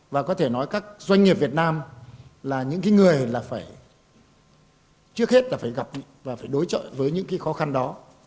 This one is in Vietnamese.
và có thể nói các doanh nghiệp việt nam là những người là phải trước hết là phải gặp và phải đối trợ với những cái khó khăn đó